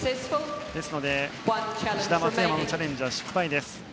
ですので志田、松山のチャレンジは失敗。